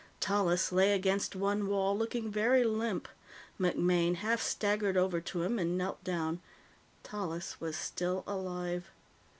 Tallis lay against one wall, looking very limp. MacMaine half staggered over to him and knelt down. Tallis was still alive.